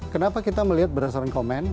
kenapa kita melihat berdasarkan komen